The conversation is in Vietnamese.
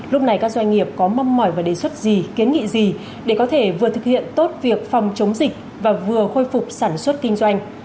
lúc này các doanh nghiệp có mong mỏi và đề xuất gì kiến nghị gì để có thể vừa thực hiện tốt việc phòng chống dịch và vừa khôi phục sản xuất kinh doanh